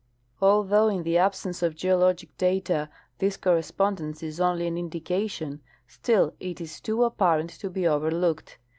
Although in the absence of geologic data this correspondence is only an indication, still it is too apparent to be overlooked.